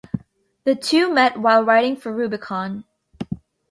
The two met while writing for "Rubicon".